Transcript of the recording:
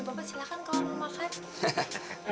bapak silakan kalau mau makan